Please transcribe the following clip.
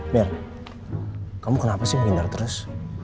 biar kamu kenapa sih menghindar terus